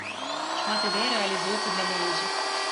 Шмат ідэй рэалізуецца для моладзі.